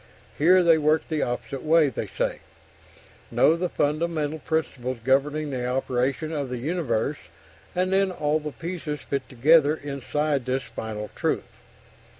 Here they work the opposite way they say: "Know the fundamental principles governing the operation of the universe and then all the pieces fit together inside this final Truth."